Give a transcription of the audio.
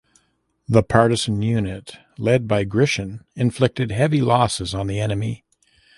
The partisan unit led by Grishin inflicted heavy losses on the enemy.